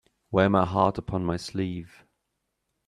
Wear my heart upon my sleeve